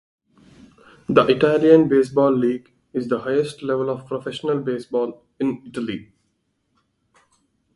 The Italian Baseball League is the highest level of professional baseball in Italy.